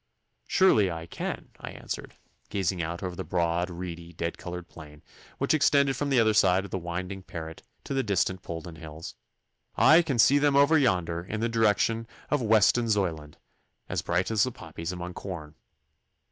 'Surely I can,' I answered, gazing out over the broad, reedy, dead coloured plain, which extended from the other side of the winding Parret to the distant Polden Hills. 'I can see them over yonder in the direction of Westonzoyland, as bright as the poppies among corn.